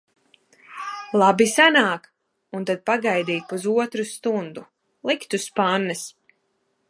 Labi sanāk! Un tad pagaidīt pusotru stundu. Likt uz pannas.